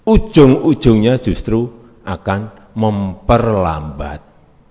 ujung ujungnya justru akan memperlambat